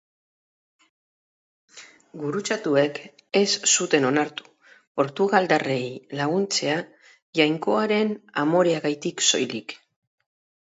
Gurutzatuek ez zuten onartu portugaldarrei laguntzea Jainkoaren amoreagatik soilik.